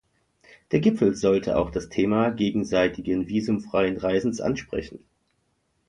Der Gipfel sollte auch das Thema gegenseitigen visumfreien Reisens ansprechen.